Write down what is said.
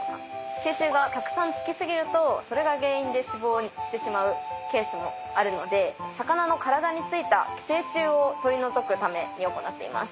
寄生虫がたくさんつき過ぎるとそれが原因で死亡してしまうケースもあるので魚の体についた寄生虫を取り除くために行っています。